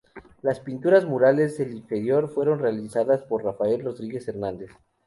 Las pinturas murales del interior fueron realizadas por Rafael Rodríguez Hernández.